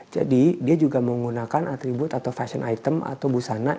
jadi dia juga menggunakan atribut atau fashion item atau busana